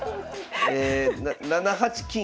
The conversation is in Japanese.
え７八金。